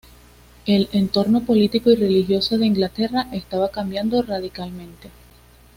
El entorno político y religioso de Inglaterra estaba cambiando radicalmente.